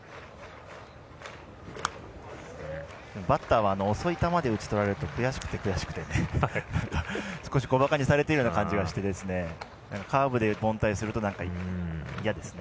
バッターは遅い球で打ち取られると悔しくて少し小ばかにされてるような気がして、カーブで凡退すると嫌ですね。